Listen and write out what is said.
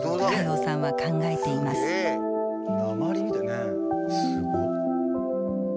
すごっ。